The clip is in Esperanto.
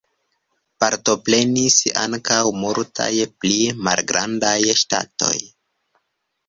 Partoprenis ankaŭ multaj pli malgrandaj ŝtatoj.